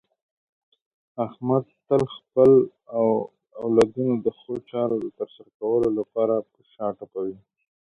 احمد تل خپل اولادونو د ښو چارو د ترسره کولو لپاره په شا ټپوي.